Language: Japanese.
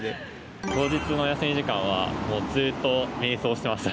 当日の休み時間はずっと瞑想してました。